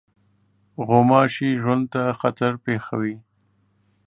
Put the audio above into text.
غوماشې ژوند ته خطر پېښوي.